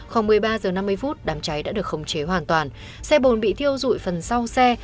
khoảng một mươi ba h năm mươi đám cháy đã được khống chế hoàn toàn xe bồn bị thiêu dụi phần sau xe